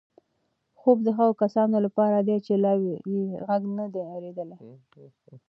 خوب د هغو کسانو لپاره دی چې لا یې غږ نه دی اورېدلی.